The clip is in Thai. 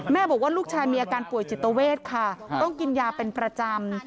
บอกว่าลูกชายมีอาการป่วยจิตเวทค่ะต้องกินยาเป็นประจำ